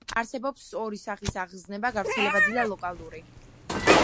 არსებობს ორი სახის აგზნება: გავრცელებადი და ლოკალური.